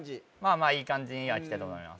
まあいい感じにはきたと思います